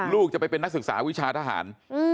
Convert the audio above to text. ลูกจะไปเป็นนักศึกษาวิชาทหาร